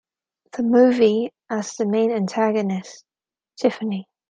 The Movie" as the main antagonist, Tiffany.